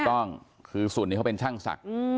ถูกต้องคือส่วนนี้เขาเป็นช่างศักดิ์